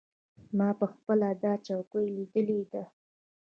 ما پخپله دا چوکۍ لیدلې ده.